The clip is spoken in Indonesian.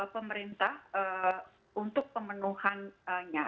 pemerintah untuk pemenuhannya